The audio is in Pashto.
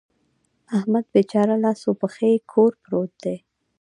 احمد بېچاره لاس و پښې کور پروت دی.